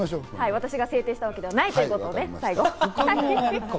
私が制定したわけではないということを最後にね。